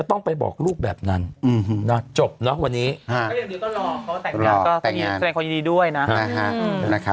ของคุณทินยันตรงนี้นะคะ